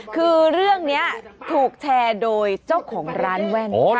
คือเรื่องนี้ถูกแชร์โดยเจ้าของร้านแว่น